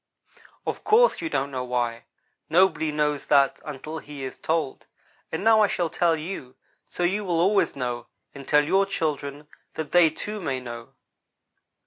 "Of course you don't know why. Nobody knows that until he is told, and now I shall tell you, so you will always know, and tell your children, that they, too, may know.